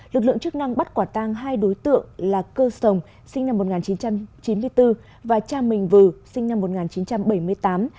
lực lượng chức năng bắt quả tang hai đối tượng là cơ sồng sinh năm một nghìn chín trăm chín mươi bốn và cha mình vừ sinh năm một nghìn chín trăm bảy mươi tám